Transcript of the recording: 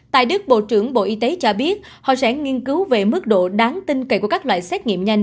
tại đức bộ trưởng bộ y tế cho biết họ sẽ nghiên cứu về mức độ đáng tin cậy của các loại xét nghiệm nhanh